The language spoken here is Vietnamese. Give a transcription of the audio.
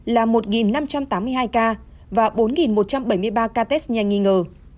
là một năm trăm tám mươi hai ca và bốn một trăm bảy mươi ba ca test nhanh nghi ngờ